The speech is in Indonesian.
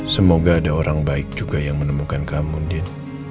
semoga ada orang baik juga yang menemukan kamu din